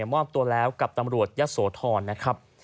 มอบตัวแล้วกับตำรวจยะโสธรนะครับ